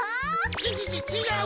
ちちちちがう！